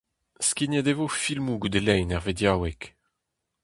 Skignet e vo filmoù goude lein er vediaoueg.